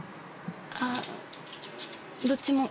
あっどっちも。